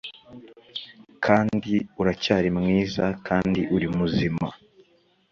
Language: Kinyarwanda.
Kandi uracyari mwiza kandi uri muzima